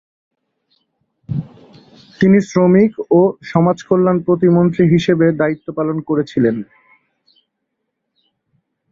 তিনি শ্রমিক ও সমাজকল্যাণ প্রতিমন্ত্রী হিসাবে দায়িত্ব পালন করেছিলেন।